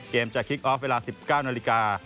จะคลิกออฟเวลา๑๙นาฬิกา